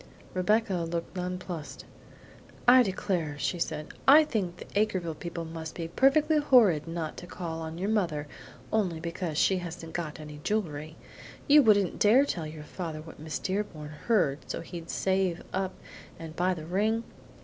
Rebecca looked nonplussed. "I declare," she said, "I think the Acreville people must be perfectly horrid not to call on your mother only because she hasn't got any jewelry. You wouldn't dare tell your father what Miss Dearborn heard, so he'd save up and buy the ring?"